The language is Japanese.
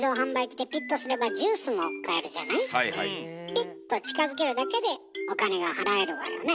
ピッと近づけるだけでお金が払えるわよね。